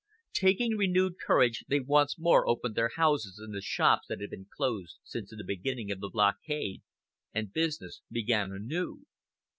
Taking renewed courage they once more opened their houses and the shops that had been closed since the beginning of the blockade, and business began anew.